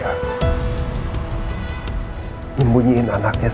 kamu tuh sudah memimpin di dunia ganlis